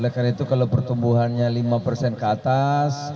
karena itu kalau pertumbuhannya lima ke atas